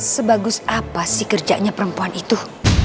sebagus apa sih kerjanya perempuan itu